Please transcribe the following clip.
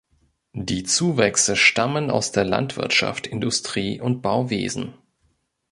Die Zuwächse stammen aus der Landwirtschaft, Industrie und Bauwesen.